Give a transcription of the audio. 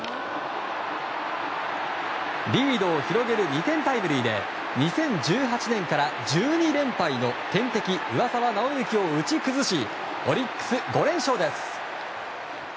リードを広げる２点タイムリーで２０１８年から１２連敗の天敵・上沢直之を打ち崩しオリックス５連勝です！